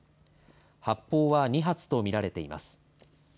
発砲は２発と見られています。